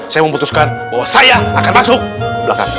saya memutuskan bahwa saya akan masuk ke belakang